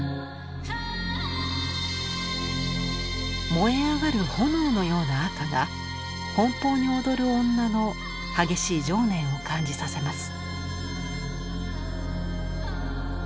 燃え上がる炎のような赤が奔放に踊る女の激しい情念を感じさせます。